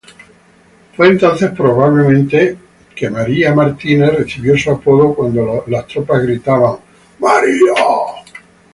Fue entonces probablemente que Mary Hays recibió su apodo, cuando las tropas gritaban, "Molly!